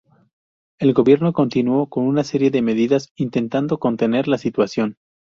El Gobierno continuó con una serie de medidas intentando contener la situación.